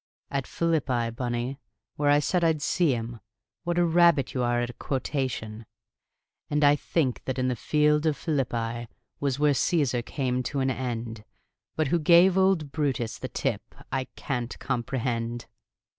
"At Philippi, Bunny, where I said I'd see him. What a rabbit you are at a quotation! "'And I think that the field of Philippi Was where Caesar came to an end; But who gave old Brutus the tip, I Can't comprehend!'